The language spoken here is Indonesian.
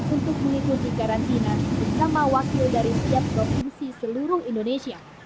untuk mengikuti karantina bersama wakil dari setiap provinsi seluruh indonesia